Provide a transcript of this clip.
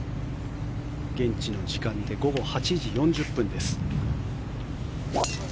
現地の時間で午後８時４０分です。